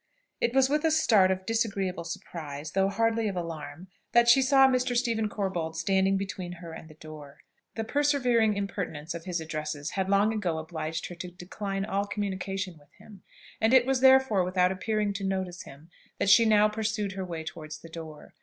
It was with a start of disagreeable surprise, though hardly of alarm, that she saw Mr. Stephen Corbold standing between her and the door. The persevering impertinence of his addresses had long ago obliged her to decline all communication with him, and it was therefore without appearing to notice him that she now pursued her way towards the door.